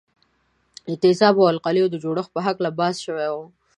د تیزابونو او القلیو د جوړښت په هکله بحث شوی وو.